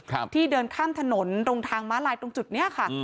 ครับที่เดินข้ามถนนตรงทางม้าลายตรงจุดเนี้ยค่ะ